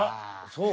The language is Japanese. そう？